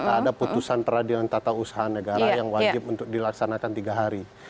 ada putusan peradilan tata usaha negara yang wajib untuk dilaksanakan tiga hari